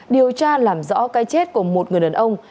điều tra làm rõ cái chết của một người đàn ông